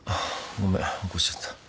ごめん起こしちゃった。